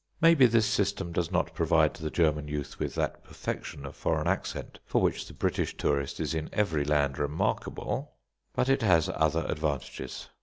Maybe this system does not provide the German youth with that perfection of foreign accent for which the British tourist is in every land remarkable, but it has other advantages.